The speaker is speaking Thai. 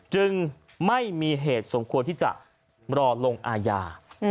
จึงไม่มีเหตุสมควรที่จะรอลงอาญา